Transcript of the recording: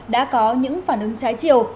đã có những phản ứng trái chiều